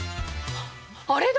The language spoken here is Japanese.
あれだ！